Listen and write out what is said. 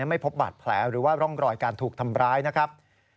ไม่พบบาดแผลหรือว่าร่องรอยการถูกทำร้ายนะครับ